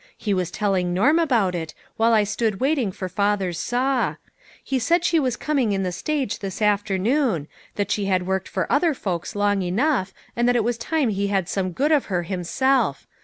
He was telling Norm about it, while I stood waiting for father's saw. He said she was coming in the stage this afternoon ; that she had worked for other folks long enough and it was time he had some good of her himself.